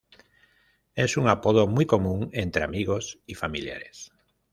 Es un apodo muy común entre amigos y familiares.